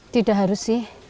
tidak harus sih